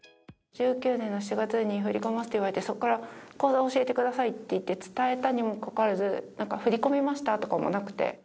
１９年の７月に振り込みますって言われて、そこから口座を教えてくださいって言って、伝えたにもかかわらず、振り込みましたとかもなくて。